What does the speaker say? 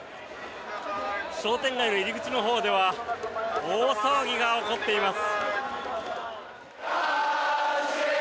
商店街の入り口のほうでは大騒ぎが起こっています。